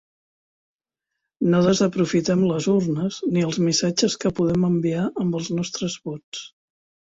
No desaprofitem les urnes, ni els missatges que podem enviar amb els nostres vots.